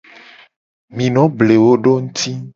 Mi no ble wo do nguti.